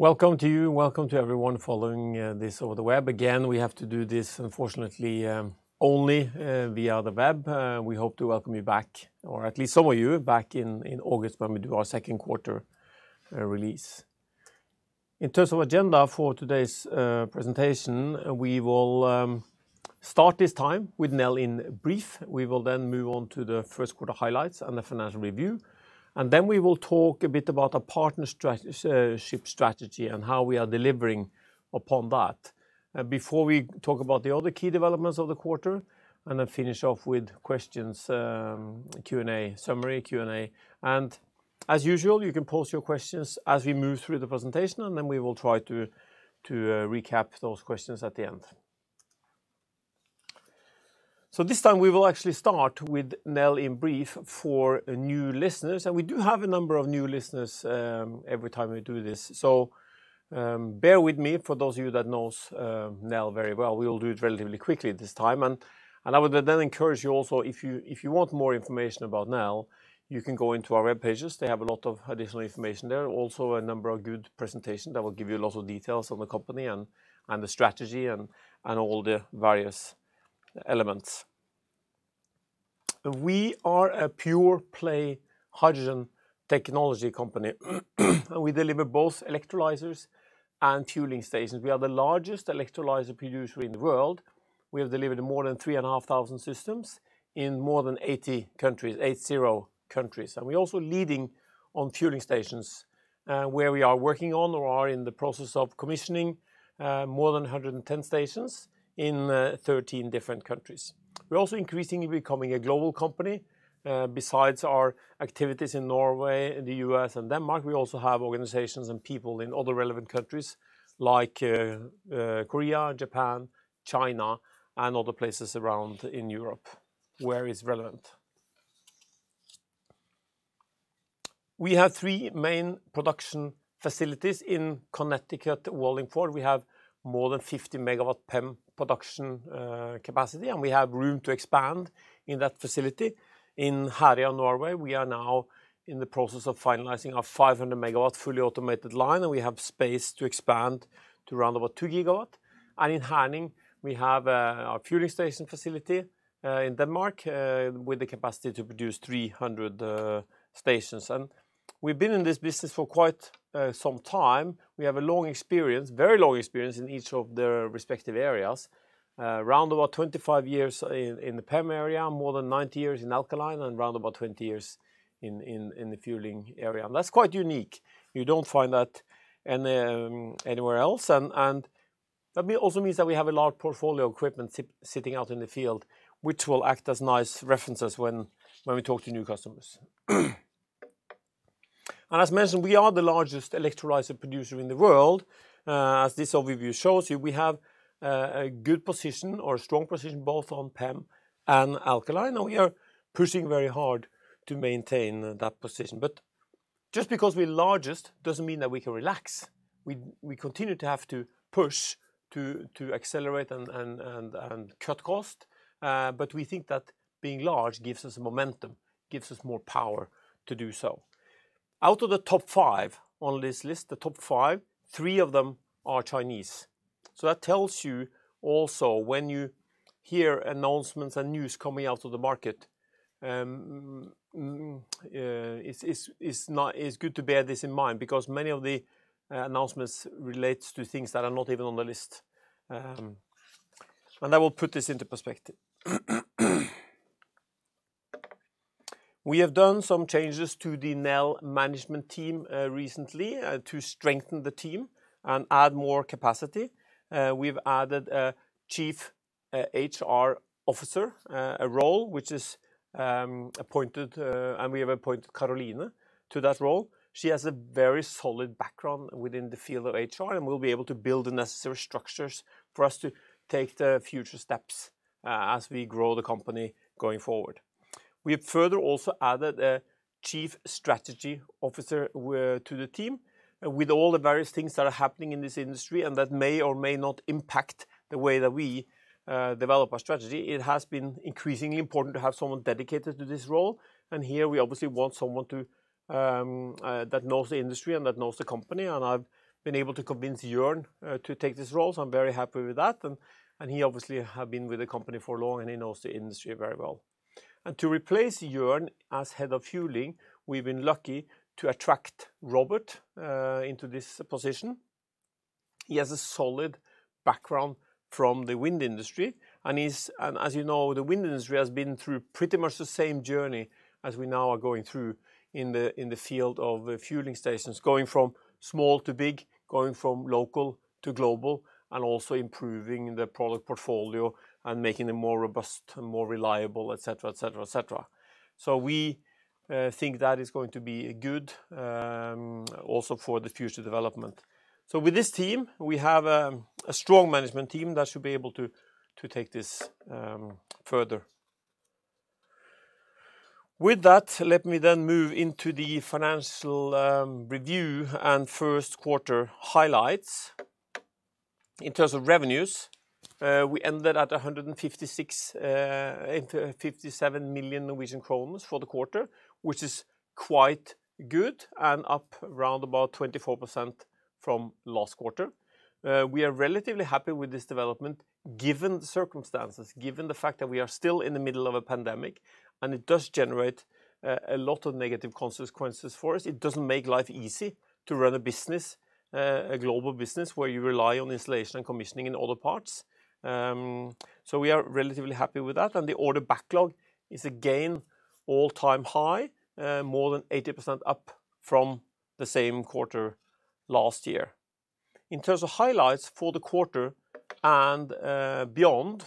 Welcome to you. Welcome to everyone following this over the web. Again, we have to do this, unfortunately, only via the web. We hope to welcome you back, or at least some of you back in August when we do our second quarter release. In terms of agenda for today's presentation, we will start this time with Nel in brief. We will then move on to the first quarter highlights and the financial review, and then we will talk a bit about our partnership strategy and how we are delivering upon that. Before we talk about the other key developments of the quarter, and then finish off with questions, summary Q&A. As usual, you can pose your questions as we move through the presentation and then we will try to recap those questions at the end. This time we will actually start with Nel in brief for new listeners, and we do have a number of new listeners every time we do this. Bear with me for those of you that know Nel very well. We will do it relatively quickly this time. I would then encourage you also, if you want more information about Nel, you can go onto our web pages. They have a lot of additional information there. Also a number of good presentations that will give you a lot of details on the company and the strategy and all the various elements. We are a pure-play hydrogen technology company. We deliver both electrolyzers and fueling stations. We are the largest electrolyzer producer in the world. We have delivered more than 3,500 systems in more than 80 countries, eight, zero countries. We're also leading on fueling stations, where we are working on or are in the process of commissioning more than 110 stations in 13 different countries. We're also increasingly becoming a global company. Besides our activities in Norway and the U.S. and Denmark, we also have organizations and people in other relevant countries like Korea, Japan, China, and other places around in Europe where it's relevant. We have three main production facilities. In Connecticut, Wallingford, we have more than 50 MW PEM production capacity, and we have room to expand in that facility. In Herøya, Norway, we are now in the process of finalizing our 500 MW fully automated line, and we have space to expand to around about two gigawatt. In Herning, we have our fueling station facility, in Denmark, with the capacity to produce 300 stations. We've been in this business for quite some time. We have a very long experience in each of their respective areas. Around about 25 years in the PEM area, more than 90 years in alkaline, and round about 20 years in the fueling area. That's quite unique. You don't find that anywhere else. That also means that we have a large portfolio equipment sitting out in the field, which will act as nice references when we talk to new customers. As mentioned, we are the largest electrolyzer producer in the world. As this overview shows you, we have a good position or a strong position both on PEM and alkaline. Now we are pushing very hard to maintain that position. Just because we're largest doesn't mean that we can relax. We continue to have to push to accelerate and cut cost. We think that being large gives us momentum, gives us more power to do so. Out of the top five on this list, three of them are Chinese. That tells you also when you hear announcements and news coming out of the market, it's good to bear this in mind because many of the announcements relates to things that are not even on the list. That will put this into perspective. We have done some changes to the Nel management team recently to strengthen the team and add more capacity. We've added a Chief HR Officer, a role which is appointed, and we have appointed Karoline to that role. She has a very solid background within the field of HR and will be able to build the necessary structures for us to take the future steps as we grow the company going forward. We have further also added a Chief Strategy Officer to the team. With all the various things that are happening in this industry and that may or may not impact the way that we develop our strategy, it has been increasingly important to have someone dedicated to this role. Here we obviously want someone that knows the industry and that knows the company, and I've been able to convince Jørn to take this role, so I'm very happy with that. He obviously have been with the company for long, and he knows the industry very well. To replace Jørn as head of fueling, we've been lucky to attract Robert into this position. He has a solid background from the wind industry, as you know, the wind industry has been through pretty much the same journey as we now are going through in the field of fueling stations, going from small to big, going from local to global, and also improving the product portfolio and making them more robust and more reliable, et cetera. We think that is going to be good, also for the future development. With this team, we have a strong management team that should be able to take this further. Let me move into the financial review and first quarter highlights. In terms of revenues, we ended at 157 million for the quarter, which is quite good and up around about 24% from last quarter. We are relatively happy with this development given the circumstances, given the fact that we are still in the middle of a pandemic, and it does generate a lot of negative consequences for us. It doesn't make life easy to run a global business where you rely on installation and commissioning in other parts. We are relatively happy with that, and the order backlog is again all-time high, more than 80% up from the same quarter last year. In terms of highlights for the quarter and beyond,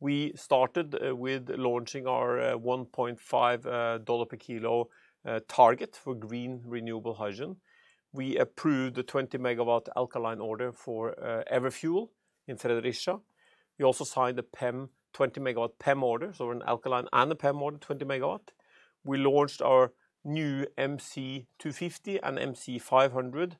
we started with launching our $1.5 per kg target for green renewable hydrogen. We approved the 20-MW alkaline order for Everfuel in Fredericia. We also signed a 20-MW PEM order, so an alkaline and a PEM order, 20 MW. We launched our new MC250 and MC500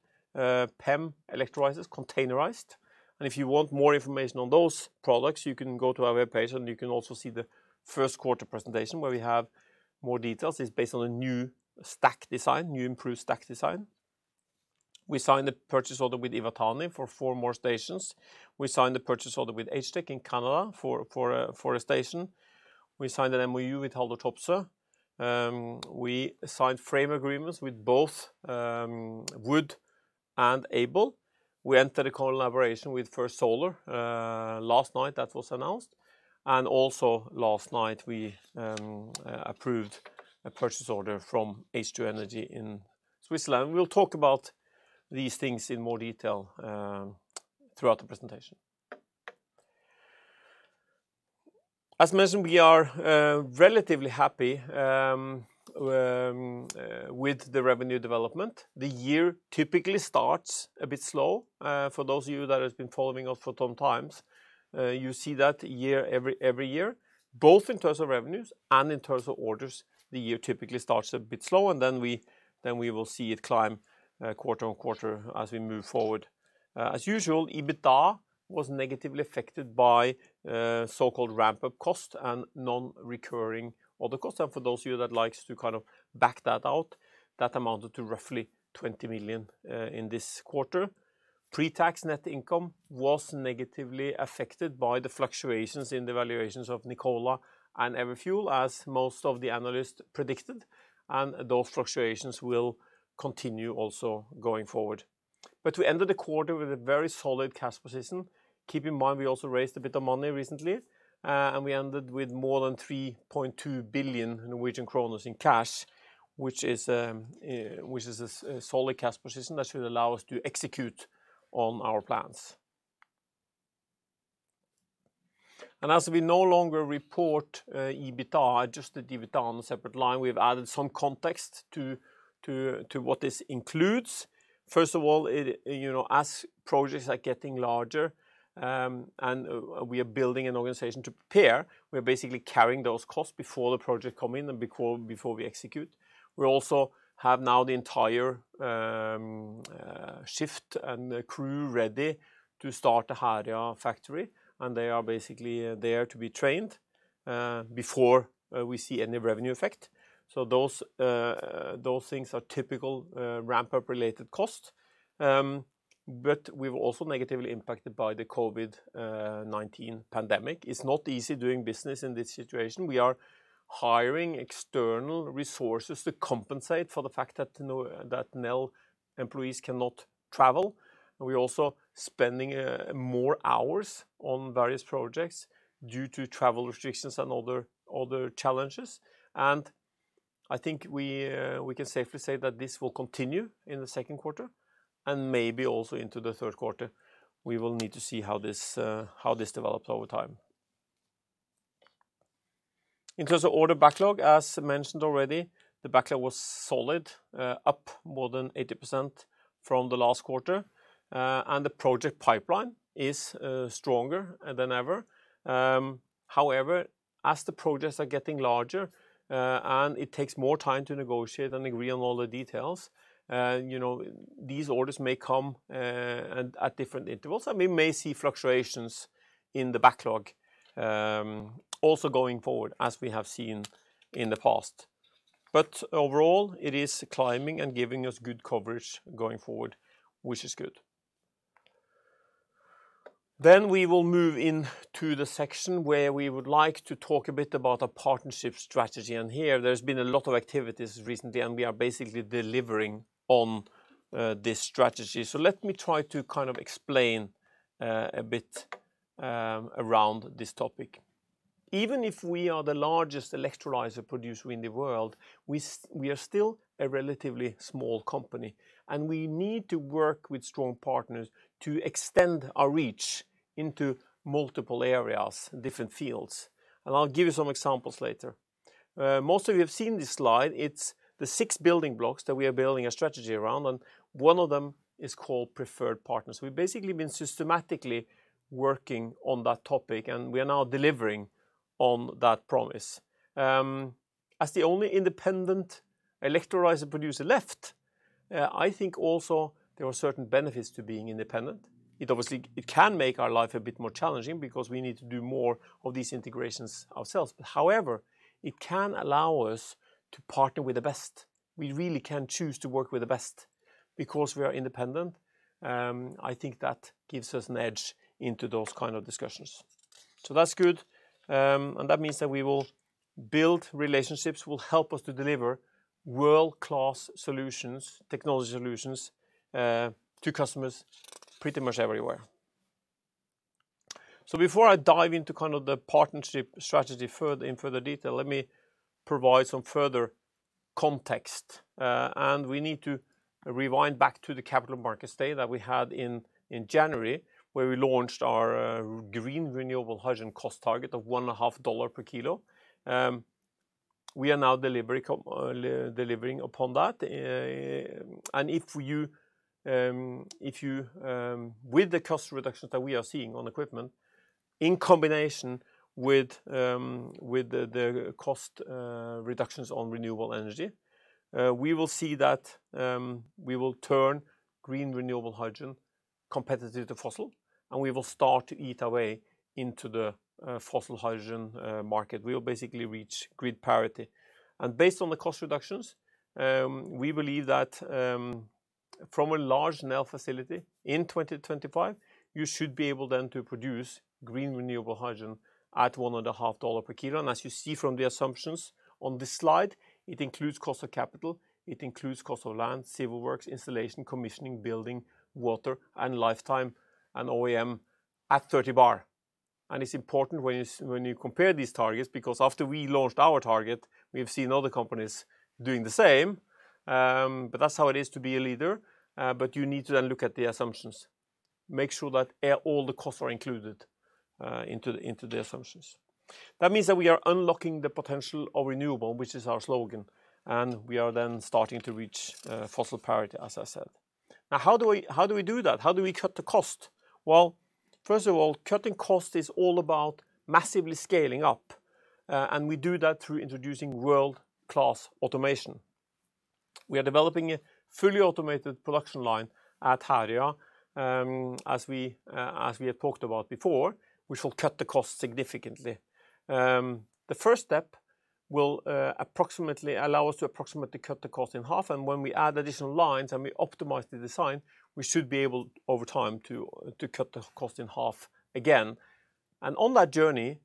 PEM electrolyzers, containerized. If you want more information on those products, you can go to our webpage, and you can also see the first quarter presentation where we have more details. It's based on a new, improved stack design. We signed a purchase order with Iwatani for four more stations. We signed a purchase order with HTEC in Canada for a station. We signed an MoU with Haldor Topsoe. We signed frame agreements with both Wood and Aibel. We entered a collaboration with First Solar. Last night that was announced. Also last night, we approved a purchase order from H2 Energy in Switzerland. We'll talk about these things in more detail throughout the presentation. As mentioned, we are relatively happy with the revenue development. The year typically starts a bit slow. For those of you that have been following us for sometimes, you see that every year, both in terms of revenues and in terms of orders. The year typically starts a bit slow, and then we will see it climb quarter-on-quarter as we move forward. As usual, EBITDA was negatively affected by so-called ramp-up cost and non-recurring order cost. For those of you that likes to back that out, that amounted to roughly 20 million in this quarter. Pre-tax net income was negatively affected by the fluctuations in the valuations of Nikola and Everfuel, as most of the analysts predicted, and those fluctuations will continue also going forward. We ended the quarter with a very solid cash position. Keep in mind, we also raised a bit of money recently. We ended with more than 3.2 billion Norwegian kroner in cash, which is a solid cash position that should allow us to execute on our plans. As we no longer report EBITDA, just the EBITDA on a separate line, we've added some context to what this includes. First of all, as projects are getting larger and we are building an organization to prepare, we're basically carrying those costs before the project come in and before we execute. We also have now the entire shift and crew ready to start the Herøya factory. They are basically there to be trained before we see any revenue effect. Those things are typical ramp-up related cost. We've also negatively impacted by the COVID-19 pandemic. It's not easy doing business in this situation. We are hiring external resources to compensate for the fact that Nel employees cannot travel. We're also spending more hours on various projects due to travel restrictions and other challenges. I think we can safely say that this will continue in the second quarter and maybe also into the third quarter. We will need to see how this develops over time. In terms of order backlog, as mentioned already, the backlog was solid, up more than 80% from the last quarter. The project pipeline is stronger than ever. However, as the projects are getting larger and it takes more time to negotiate and agree on all the details, these orders may come at different intervals, and we may see fluctuations in the backlog also going forward as we have seen in the past. Overall, it is climbing and giving us good coverage going forward, which is good. We will move into the section where we would like to talk a bit about our partnership strategy. Here there's been a lot of activities recently, and we are basically delivering on this strategy. Let me try to explain a bit around this topic. Even if we are the largest electrolyzer producer in the world, we are still a relatively small company, and we need to work with strong partners to extend our reach into multiple areas and different fields. I'll give you some examples later. Most of you have seen this slide. It's the six building blocks that we are building a strategy around, and one of them is called preferred partners. We've basically been systematically working on that topic, and we are now delivering on that promise. As the only independent electrolyzer producer left, I think also there are certain benefits to being independent. It can make our life a bit more challenging because we need to do more of these integrations ourselves. However, it can allow us to partner with the best. We really can choose to work with the best because we are independent. I think that gives us an edge into those kind of discussions. That's good, and that means that we will build relationships, will help us to deliver world-class solutions, technology solutions, to customers pretty much everywhere. Before I dive into the partnership strategy in further detail, let me provide some further context. We need to rewind back to the capital markets day that we had in January, where we launched our green renewable hydrogen cost target of $1.5 per kg. We are now delivering upon that.. With the cost reductions that we are seeing on equipment, in combination with the cost reductions on renewable energy, we will see that we will turn green renewable hydrogen competitive to fossil, and we will start to eat away into the fossil hydrogen market. We will basically reach grid parity. Based on the cost reductions, we believe that from a large Nel facility in 2025, you should be able then to produce green renewable hydrogen at $1.5 per kilo. As you see from the assumptions on this slide, it includes cost of capital, it includes cost of land, civil works, installation, commissioning, building, water, and lifetime, and O&M at 30 bar. It's important when you compare these targets because after we launched our target, we've seen other companies doing the same. That's how it is to be a leader. You need to then look at the assumptions, make sure that all the costs are included into the assumptions. That means that we are unlocking the potential of renewable, which is our slogan, and we are then starting to reach fossil parity, as I said. How do we do that? How do we cut the cost? First of all, cutting cost is all about massively scaling up, and we do that through introducing world-class automation. We are developing a fully automated production line at Herøya, as we had talked about before, which will cut the cost significantly. The first step will allow us to approximately cut the cost in half, and when we add additional lines and we optimize the design, we should be able, over time, to cut the cost in half again. On that journey,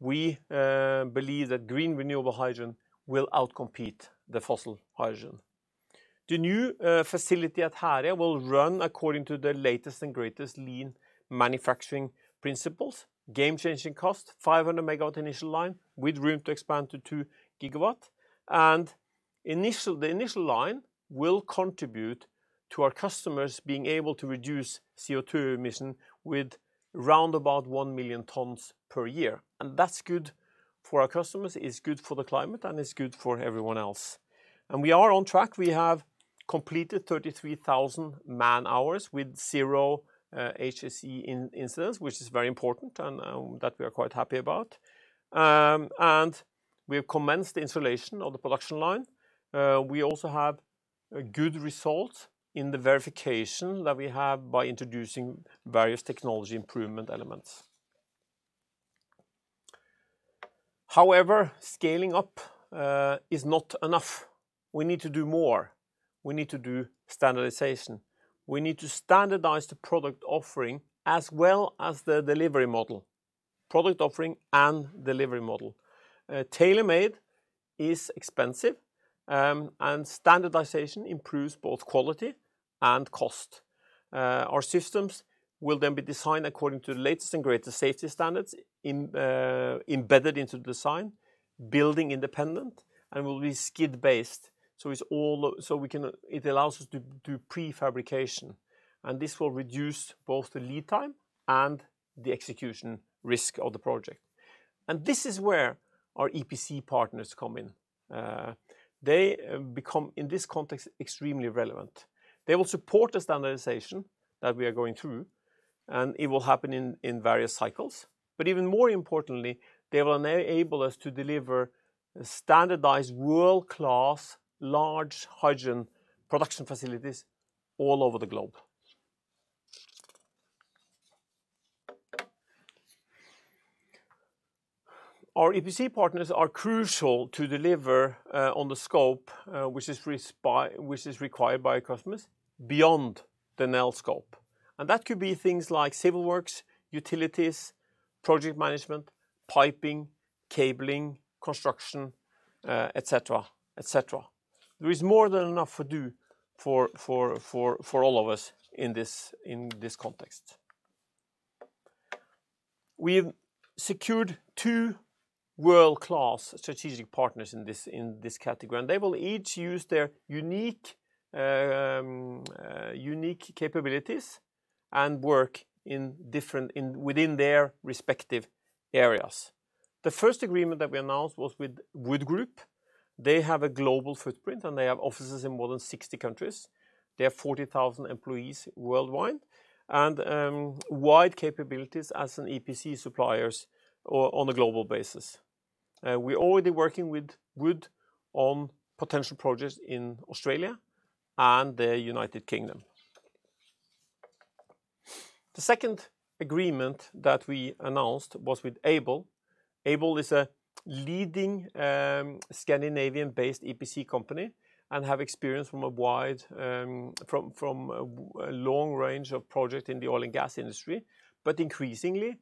we believe that green renewable hydrogen will outcompete the fossil hydrogen. The new facility at Herøya will run according to the latest and greatest lean manufacturing principles, game-changing cost, 500 MW initial line with room to expand to 2 GW. The initial line will contribute to our customers being able to reduce CO₂ emission with round about 1 million tons per year, and that's good for our customers, it's good for the climate, and it's good for everyone else. We are on track. We have completed 33,000 man-hours with zero HSE incidents, which is very important and that we are quite happy about. We have commenced the installation of the production line. We also have a good result in the verification that we have by introducing various technology improvement elements. However, scaling up is not enough. We need to do more. We need to do standardization. We need to standardize the product offering as well as the delivery model. Product offering and delivery model. Tailor-made is expensive, and standardization improves both quality and cost. Our systems will be designed according to the latest and greatest safety standards embedded into the design, building independent, and will be skid-based. It allows us to do prefabrication, and this will reduce both the lead time and the execution risk of the project. This is where our EPC partners come in. They become, in this context, extremely relevant. They will support the standardization that we are going through, and it will happen in various cycles. Even more importantly, they will enable us to deliver standardized world-class large hydrogen production facilities all over the globe. Our EPC partners are crucial to deliver on the scope, which is required by our customers beyond the Nel scope. That could be things like civil works, utilities, project management, piping, cabling, construction, et cetera. There is more than enough to do for all of us in this context. We've secured two world-class strategic partners in this category, and they will each use their unique capabilities and work within their respective areas. The first agreement that we announced was with Wood Group. They have a global footprint, and they have offices in more than 60 countries. They have 40,000 employees worldwide and wide capabilities as an EPC suppliers on a global basis. We're already working with Wood on potential projects in Australia and the United Kingdom. The second agreement that we announced was with Aibel. Aibel is a leading Scandinavian-based EPC company and have experience from a long range of projects in the oil and gas industry. Increasingly,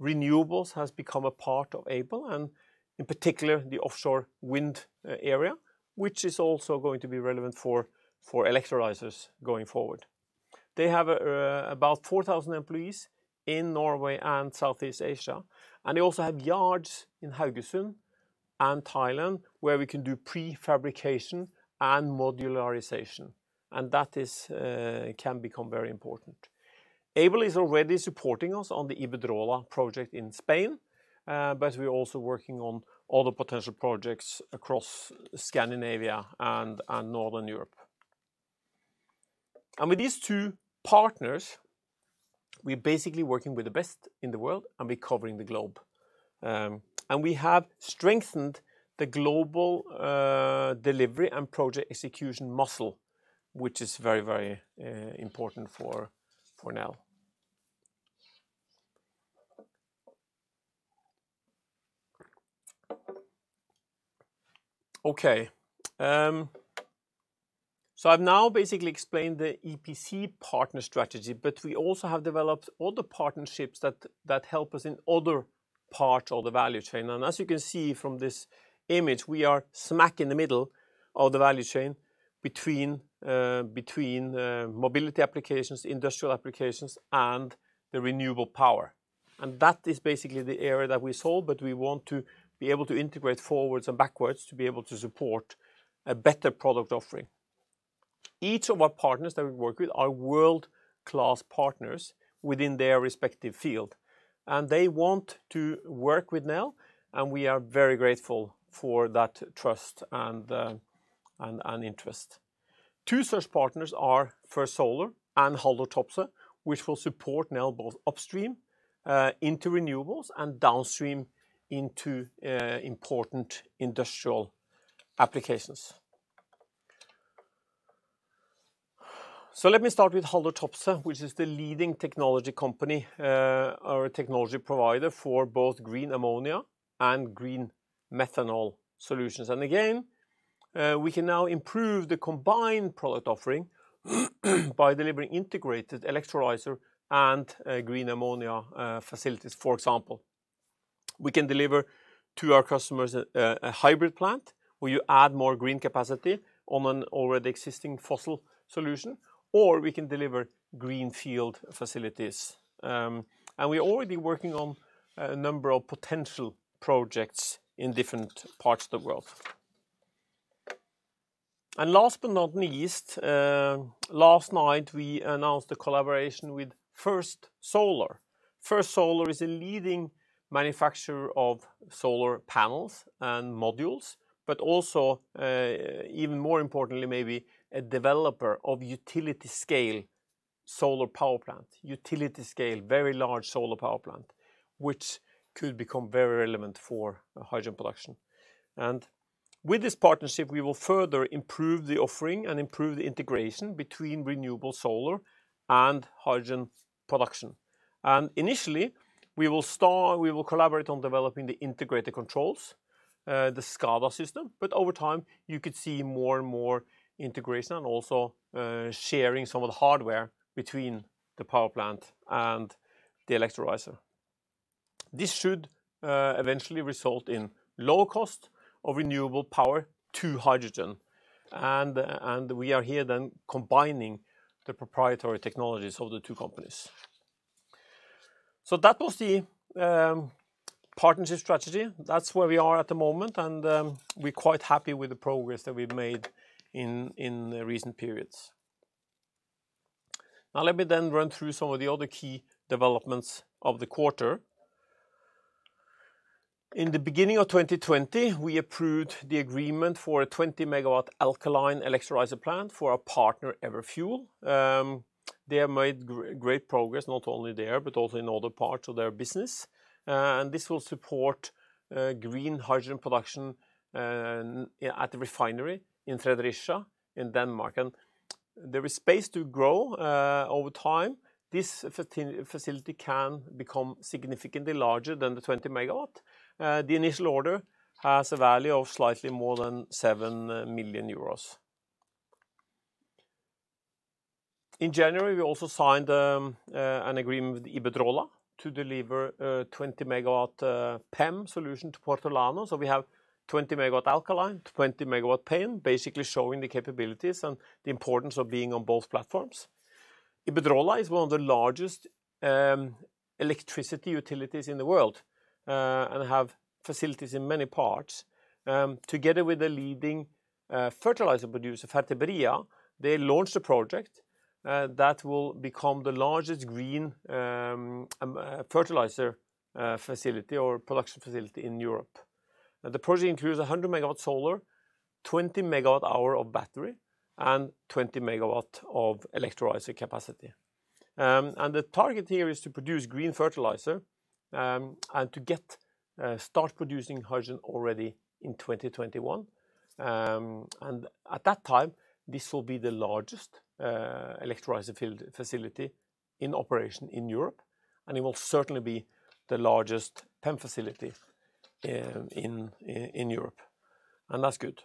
renewables has become a part of Aibel and in particular the offshore wind area, which is also going to be relevant for electrolyzers going forward. They have about 4,000 employees in Norway and Southeast Asia, They also have yards in Haugesund and Thailand where we can do prefabrication and modularization. That can become very important. Aibel is already supporting us on the Iberdrola project in Spain, We're also working on other potential projects across Scandinavia and Northern Europe. With these two partners, we're basically working with the best in the world, We're covering the globe. We have strengthened the global delivery and project execution muscle, which is very important for Nel. Okay. I've now basically explained the EPC partner strategy, but we also have developed other partnerships that help us in other parts of the value chain. As you can see from this image, we are smack in the middle of the value chain between mobility applications, industrial applications, and the renewable power. That is basically the area that we sold, but we want to be able to integrate forwards and backwards to be able to support a better product offering. Each of our partners that we work with are world-class partners within their respective field, and they want to work with Nel, and we are very grateful for that trust and interest. Two such partners are First Solar and Haldor Topsoe, which will support Nel both upstream into renewables and downstream into important industrial applications. Let me start with Haldor Topsoe, which is the leading technology company, or a technology provider for both green ammonia and green methanol solutions. Again, we can now improve the combined product offering by delivering integrated electrolyzer and green ammonia facilities. For example, we can deliver to our customers a hybrid plant where you add more green capacity on an already existing fossil solution, or we can deliver greenfield facilities. We're already working on a number of potential projects in different parts of the world. Last but not least, last night we announced a collaboration with First Solar. First Solar is a leading manufacturer of solar panels and modules, but also, even more importantly maybe, a developer of utility scale solar power plant. Utility scale, very large solar power plant, which could become very relevant for hydrogen production. With this partnership, we will further improve the offering and improve the integration between renewable solar and hydrogen production. Initially, we will collaborate on developing the integrated controls, the SCADA system. Over time, you could see more and more integration and also sharing some of the hardware between the power plant and the electrolyzer. This should eventually result in low cost of renewable power to hydrogen. We are here then combining the proprietary technologies of the two companies. That was the partnership strategy. That's where we are at the moment, and we're quite happy with the progress that we've made in recent periods. Let me then run through some of the other key developments of the quarter. In the beginning of 2020, we approved the agreement for a 20-MW alkaline electrolyzer plant for our partner Everfuel. They have made great progress not only there, but also in other parts of their business. This will support green hydrogen production at the refinery in Fredericia in Denmark. There is space to grow over time. This facility can become significantly larger than the 20 MW. The initial order has a value of slightly more than 7 million euros. In January, we also signed an agreement with Iberdrola to deliver a 20-MW PEM solution to Puertollano. We have 20-MW alkaline, 20-MW PEM, basically showing the capabilities and the importance of being on both platforms. Iberdrola is one of the largest electricity utilities in the world, and have facilities in many parts. Together with a leading fertilizer producer, Fertiberia, they launched a project that will become the largest green fertilizer facility or production facility in Europe. The project includes 100 MW solar, 20 MWh of battery, and 20 MW of electrolyzer capacity. The target here is to produce green fertilizer, and to start producing hydrogen already in 2021. At that time, this will be the largest electrolyzer facility in operation in Europe, and it will certainly be the largest PEM facility in Europe, and that's good.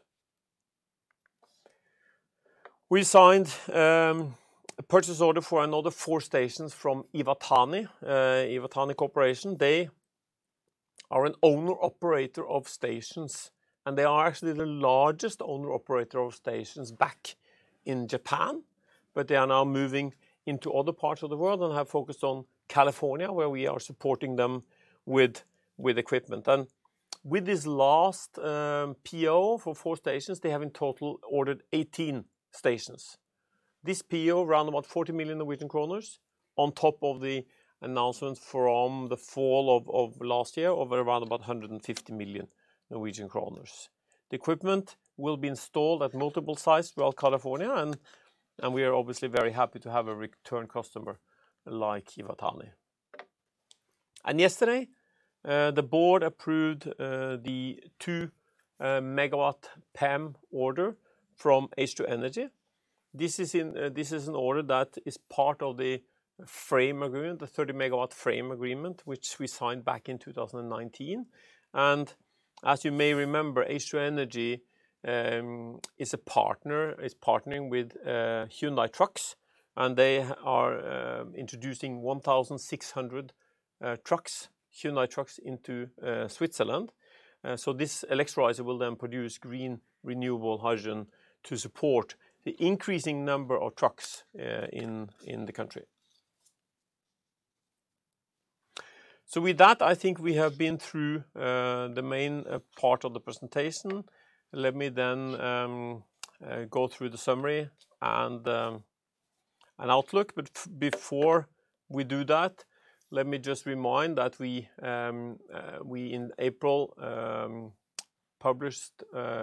We signed a purchase order for another four stations from Iwatani Corporation. They are an owner-operator of stations, and they are actually the largest owner-operator of stations back in Japan. They are now moving into other parts of the world and have focused on California, where we are supporting them with equipment. With this last PO for four stations, they have in total ordered 18 stations. This PO around about 40 million Norwegian kroner on top of the announcement from the fall of last year of around about 150 million Norwegian kroner. We are obviously very happy to have a return customer like Iwatani. Yesterday, the board approved the 2 MW PEM order from H2 Energy. This is an order that is part of the frame agreement, the 30 MW frame agreement, which we signed back in 2019. As you may remember, H2 Energy is partnering with Hyundai Trucks, and they are introducing 1,600 Hyundai trucks into Switzerland. This electrolyzer will then produce green, renewable hydrogen to support the increasing number of trucks in the country. With that, I think we have been through the main part of the presentation. Let me go through the summary and outlook. Before we do that, let me just remind that we in April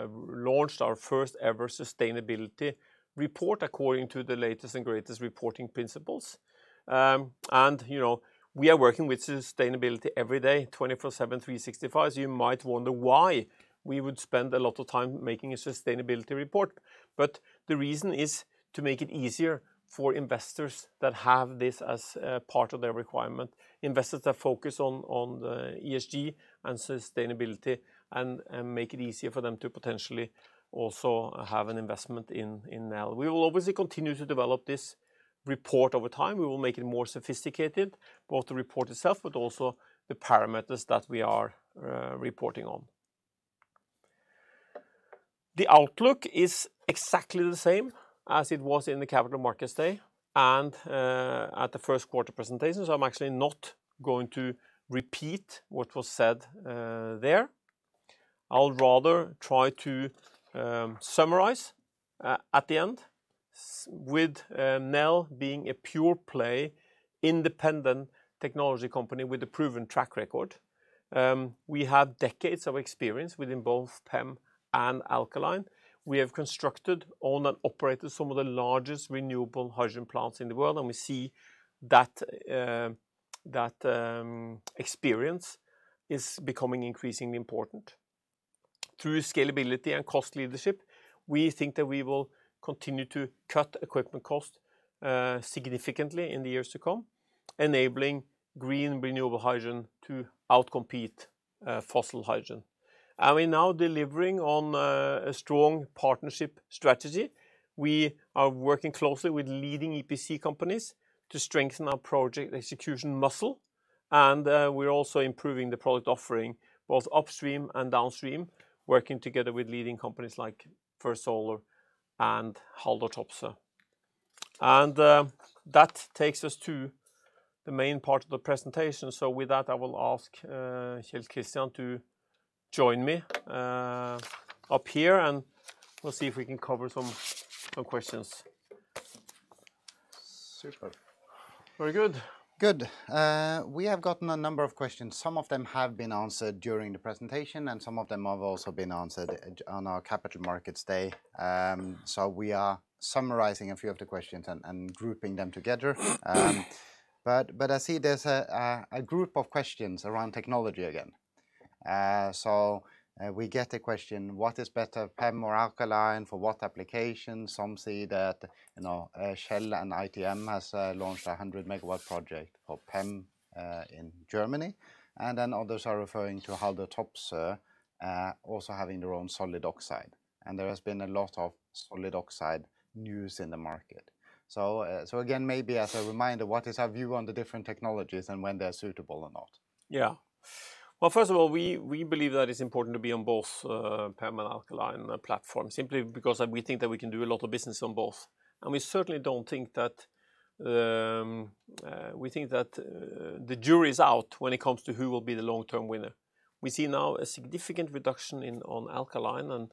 launched our first ever sustainability report according to the latest and greatest reporting principles. We are working with sustainability every day, 24/7/365, so you might wonder why we would spend a lot of time making a sustainability report. The reason is to make it easier for investors that have this as a part of their requirement, investors that focus on the ESG and sustainability and make it easier for them to potentially also have an investment in Nel. We will obviously continue to develop this report over time. We will make it more sophisticated, both the report itself, but also the parameters that we are reporting on. The outlook is exactly the same as it was in the Capital Markets Day and at the first quarter presentation. I'm actually not going to repeat what was said there. I'll rather try to summarize at the end. With Nel being a pure play, independent technology company with a proven track record. We have decades of experience within both PEM and alkaline. We have constructed, owned, and operated some of the largest renewable hydrogen plants in the world, and we see that that experience is becoming increasingly important. Through scalability and cost leadership, we think that we will continue to cut equipment cost significantly in the years to come, enabling green renewable hydrogen to outcompete fossil hydrogen. We're now delivering on a strong partnership strategy. We are working closely with leading EPC companies to strengthen our project execution muscle. We're also improving the product offering both upstream and downstream, working together with leading companies like First Solar and Haldor Topsoe. That takes us to the main part of the presentation. With that, I will ask Kjell Christian to join me up here, and we will see if we can cover some questions. Super. Very good. Good. We have gotten a number of questions. Some of them have been answered during the presentation. Some of them have also been answered on our Capital Markets Day. We are summarizing a few of the questions and grouping them together. I see there's a group of questions around technology again. We get a question, what is better, PEM or alkaline, for what application? Some say that Shell and ITM has launched a 100 MW project for PEM in Germany. Others are referring to Haldor Topsoe also having their own solid oxide. There has been a lot of solid oxide news in the market. Again, maybe as a reminder, what is our view on the different technologies and when they're suitable or not? Yeah. Well, first of all, we believe that it's important to be on both PEM and alkaline platform, simply because we think that we can do a lot of business on both. We think that the jury is out when it comes to who will be the long-term winner. We see now a significant reduction on alkaline and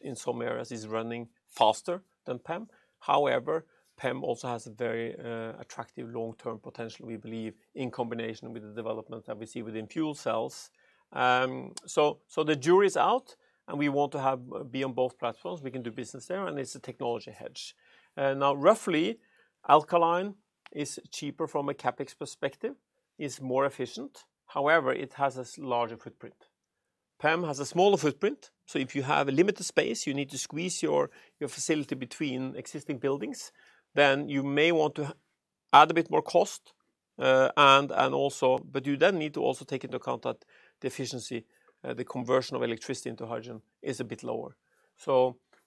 in some areas it's running faster than PEM. However, PEM also has a very attractive long-term potential, we believe, in combination with the development that we see within fuel cells. The jury's out and we want to be on both platforms. We can do business there, and it's a technology hedge. Now roughly, alkaline is cheaper from a CapEx perspective. It's more efficient. However, it has a larger footprint. PEM has a smaller footprint, so if you have a limited space, you need to squeeze your facility between existing buildings, then you may want to add a bit more cost. You then need to also take into account that the efficiency, the conversion of electricity into hydrogen, is a bit lower.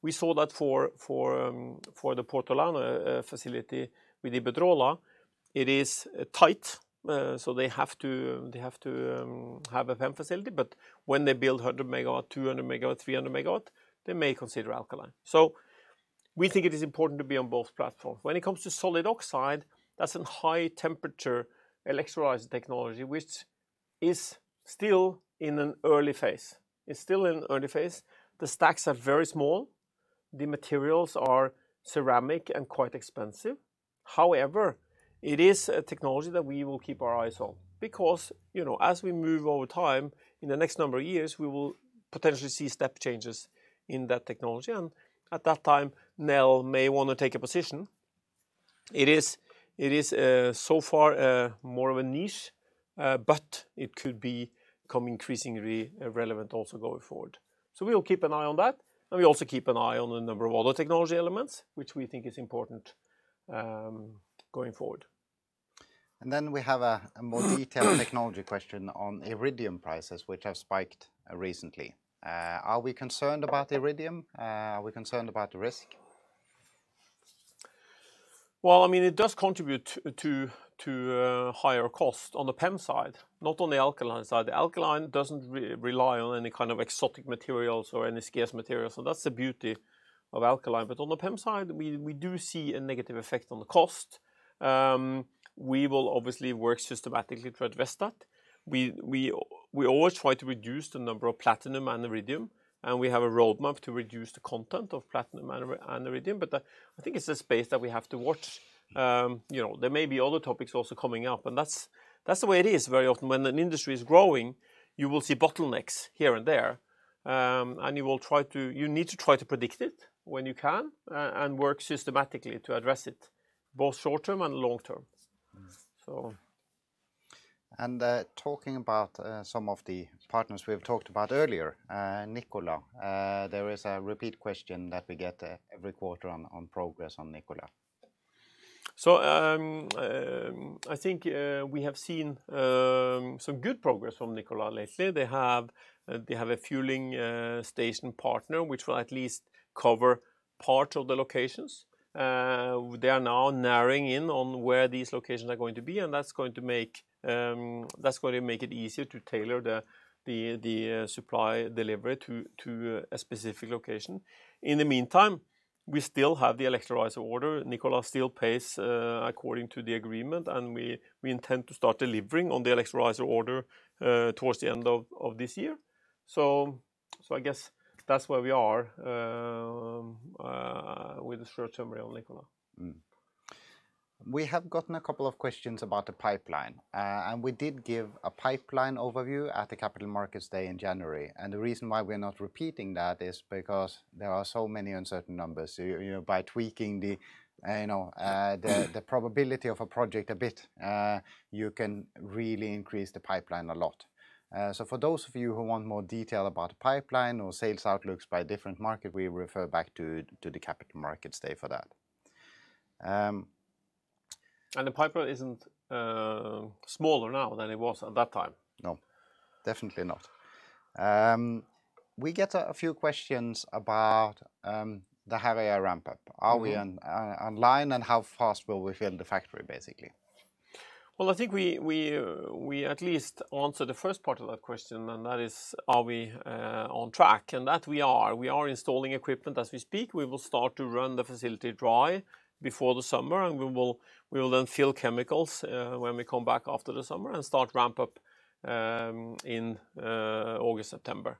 We saw that for the Puertollano facility with Iberdrola. It is tight, so they have to have a PEM facility. When they build 100 MW, 200 MW, 300 MW, they may consider alkaline. We think it is important to be on both platforms. When it comes to solid oxide, that's a high-temperature electrolyzer technology, which is still in an early phase. The stacks are very small. The materials are ceramic and quite expensive. However, it is a technology that we will keep our eyes on because, as we move over time in the next number of years, we will potentially see step changes in that technology. At that time, Nel may want to take a position. It is so far more of a niche, but it could become increasingly relevant also going forward. We'll keep an eye on that, and we also keep an eye on a number of other technology elements, which we think is important going forward. We have a more detailed technology question on iridium prices, which have spiked recently. Are we concerned about iridium? Are we concerned about the risk? Well, it does contribute to higher cost on the PEM side, not on the alkaline side. The alkaline doesn't rely on any kind of exotic materials or any scarce materials. That's the beauty of alkaline. On the PEM side, we do see a negative effect on the cost. We will obviously work systematically to address that. We always try to reduce the number of platinum and iridium, and we have a roadmap to reduce the content of platinum and iridium. I think it's a space that we have to watch. There may be other topics also coming up, and that's the way it is very often. When an industry is growing, you will see bottlenecks here and there. You need to try to predict it when you can and work systematically to address it, both short term and long term. Talking about some of the partners we have talked about earlier, Nikola. There is a repeat question that we get every quarter on progress on Nikola. I think we have seen some good progress from Nikola lately. They have a fueling station partner, which will at least cover part of the locations. They are now narrowing in on where these locations are going to be, and that's going to make it easier to tailor the supply delivery to a specific location. In the meantime, we still have the electrolyzer order. Nikola still pays according to the agreement, and we intend to start delivering on the electrolyzer order towards the end of this year. I guess that's where we are with the short summary on Nikola. We have gotten a couple of questions about the pipeline. We did give a pipeline overview at the Capital Markets Day in January. The reason why we're not repeating that is because there are so many uncertain numbers. By tweaking the probability of a project a bit, you can really increase the pipeline a lot. For those of you who want more detail about the pipeline or sales outlooks by different market, we refer back to the Capital Markets Day for that. The pipeline isn't smaller now than it was at that time. No, definitely not. We get a few questions about the Herøya ramp-up. Are we online and how fast will we fill the factory, basically? Well, I think we at least answered the first part of that question, and that is, are we on track? That we are. We are installing equipment as we speak. We will start to run the facility dry before the summer, and we will then fill chemicals when we come back after the summer and start ramp-up in August, September.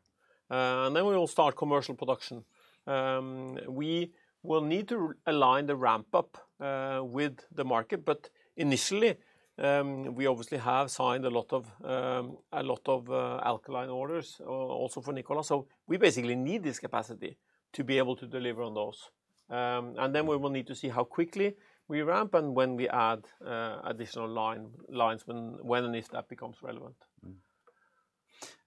Then we will start commercial production. We will need to align the ramp-up with the market. Initially, we obviously have signed a lot of alkaline orders also for Nikola. We basically need this capacity to be able to deliver on those. Then we will need to see how quickly we ramp and when we add additional lines when and if that becomes relevant.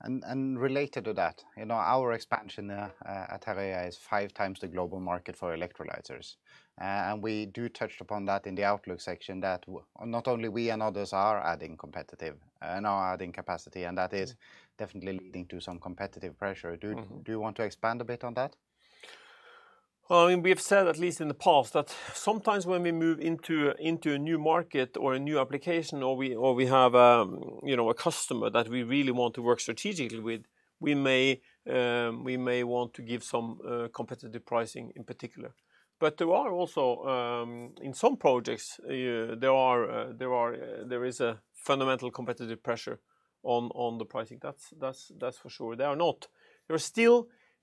Related to that, our expansion at Herøya is five times the global market for electrolyzers. We do touch upon that in the outlook section that not only we and others are adding capacity and that is definitely leading to some competitive pressure. Do you want to expand a bit on that? Well, we have said, at least in the past, that sometimes when we move into a new market or a new application, or we have a customer that we really want to work strategically with, we may want to give some competitive pricing in particular. In some projects, there is a fundamental competitive pressure on the pricing. That's for sure.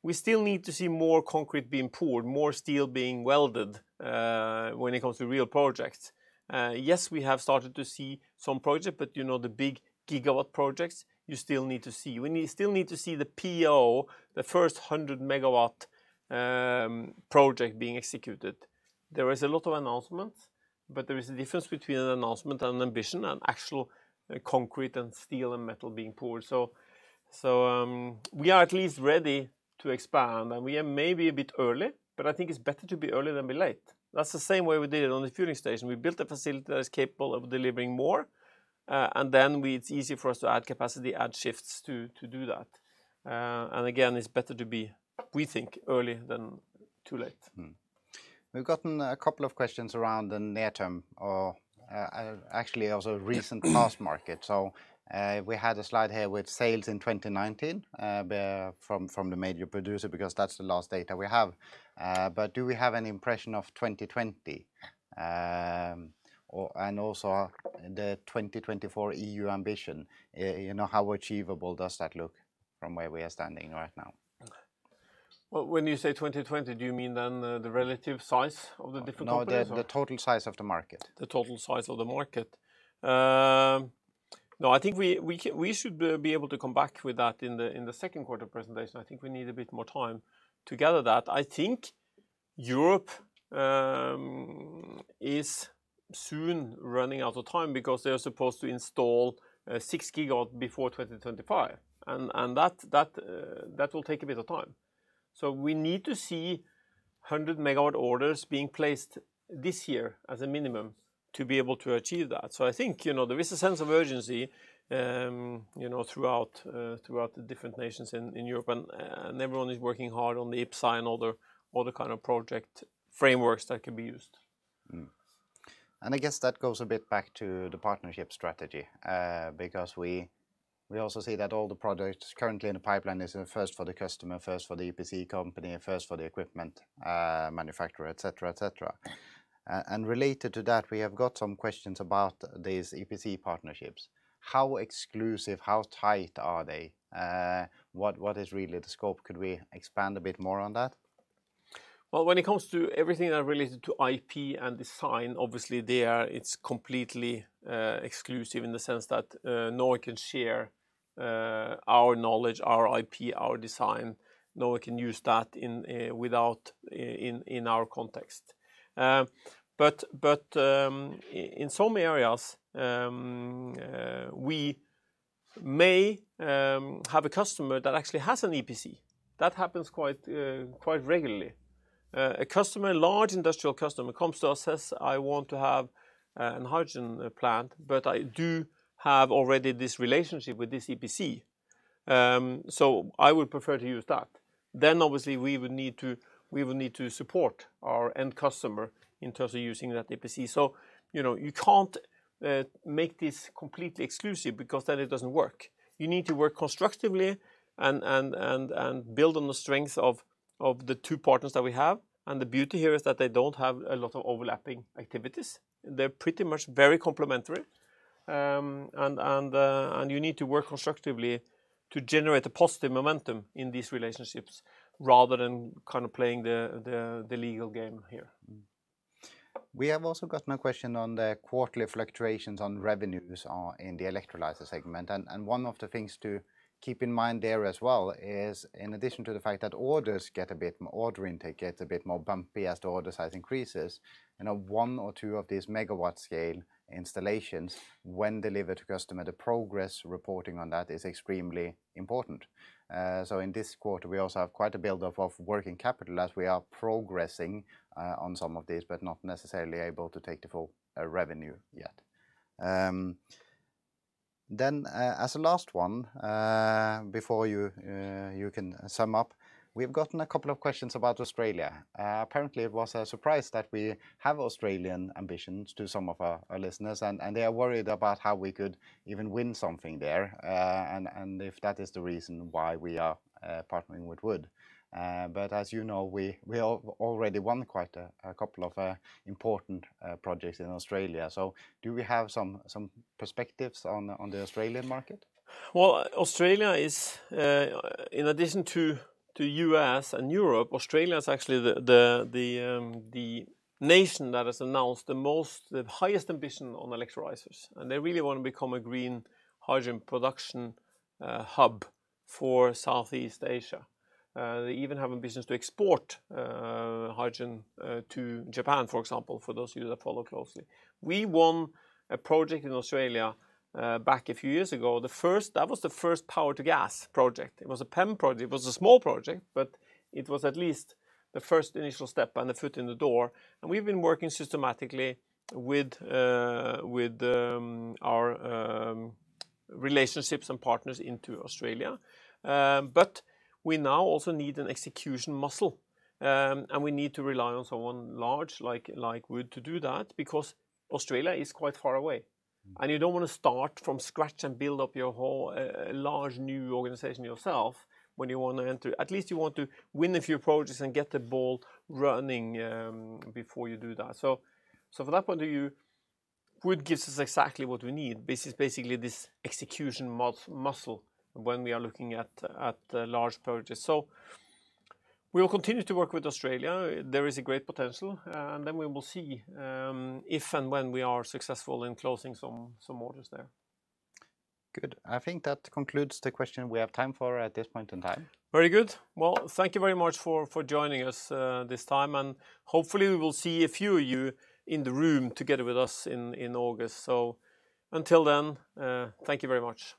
We still need to see more concrete being poured, more steel being welded when it comes to real projects. Yes, we have started to see some projects, the big gigawatt projects, you still need to see. We still need to see the PO, the first 100-MW project being executed. There is a lot of announcements, there is a difference between an announcement and an ambition and actual concrete and steel and metal being poured. We are at least ready to expand, and we are maybe a bit early, but I think it's better to be early than be late. That's the same way we did it on the fueling station. We built a facility that is capable of delivering more, and then it's easy for us to add capacity, add shifts to do that. Again, it's better to be, we think, early than too late. We've gotten a couple of questions around the near term or actually also recent past market. We had a slide here with sales in 2019 from the major producer because that's the last data we have. Do we have an impression of 2020? Also the 2024 EU ambition, how achievable does that look from where we are standing right now? Well, when you say 2020, do you mean then the relative size of the different companies or? No, the total size of the market. No, I think we should be able to come back with that in the second quarter presentation. I think we need a bit more time to gather that. I think Europe is soon running out of time because they are supposed to install 6 GW before 2025, and that will take a bit of time. We need to see 100-MW orders being placed this year as a minimum to be able to achieve that. I think there is a sense of urgency throughout the different nations in Europe and everyone is working hard on the IPCEI and other kind of project frameworks that can be used. I guess that goes a bit back to the partnership strategy. We also see that all the projects currently in the pipeline is first for the customer, first for the EPC company, first for the equipment manufacturer, et cetera. Related to that, we have got some questions about these EPC partnerships. How exclusive, how tight are they? What is really the scope? Could we expand a bit more on that? When it comes to everything that related to IP and design, obviously there it's completely exclusive in the sense that no one can share our knowledge, our IP, our design. No one can use that in our context. In some areas, we may have a customer that actually has an EPC. That happens quite regularly. A large industrial customer comes to us, says, I want to have an hydrogen plant, but I do have already this relationship with this EPC. I would prefer to use that. Obviously we would need to support our end customer in terms of using that EPC. You can't make this completely exclusive because then it doesn't work. You need to work constructively and build on the strengths of the two partners that we have. The beauty here is that they don't have a lot of overlapping activities. They're pretty much very complementary. You need to work constructively to generate a positive momentum in these relationships rather than kind of playing the legal game here. We have also gotten a question on the quarterly fluctuations on revenues in the electrolyzer segment. One of the things to keep in mind there as well is in addition to the fact that order intake gets a bit more bumpy as the order size increases, one or two of these megawatt scale installations when delivered to customer, the progress reporting on that is extremely important. In this quarter, we also have quite a buildup of working capital as we are progressing on some of these, but not necessarily able to take the full revenue yet. As a last one before you can sum up, we've gotten a couple of questions about Australia. It was a surprise that we have Australian ambitions to some of our listeners and they are worried about how we could even win something there and if that is the reason why we are partnering with Wood. As you know, we already won quite a couple of important projects in Australia. Do we have some perspectives on the Australian market? Well, in addition to U.S. and Europe, Australia is actually the nation that has announced the highest ambition on electrolyzers. They really want to become a green hydrogen production hub for Southeast Asia. They even have ambitions to export hydrogen to Japan, for example, for those of you that follow closely. We won a project in Australia back a few years ago. That was the first power to gas project. It was a PEM project. It was a small project, but it was at least the first initial step and the foot in the door. We've been working systematically with our relationships and partners into Australia. We now also need an execution muscle. We need to rely on someone large like Wood to do that because Australia is quite far away. You don't want to start from scratch and build up your whole large new organization yourself when you want to enter. At least you want to win a few projects and get the ball running before you do that. From that point of view, Wood gives us exactly what we need. This is basically this execution muscle when we are looking at large projects. We will continue to work with Australia. There is a great potential. Then we will see if and when we are successful in closing some orders there. Good. I think that concludes the question we have time for at this point in time. Very good. Well, thank you very much for joining us this time, and hopefully we will see a few of you in the room together with us in August. Until then, thank you very much.